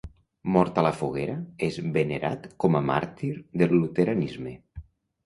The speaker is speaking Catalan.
Mort a la foguera, és venerat com a màrtir del luteranisme.